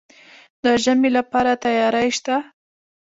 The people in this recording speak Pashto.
د ژمي لپاره تیاری شته؟